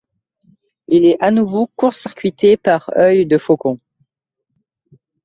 Il est à nouveau court-circuité par Œil de Faucon.